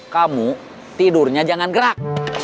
kamu tidurnya jangan gerak